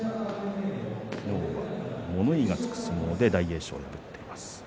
昨日は物言いがつく相撲で大栄翔を破っています。